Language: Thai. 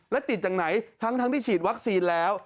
และติดจากไหนทั้งที่ฉีดวัคซีนแล้ว